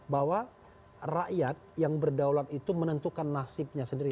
bahwa rakyat yang berdaulat itu menentukan nasibnya sendiri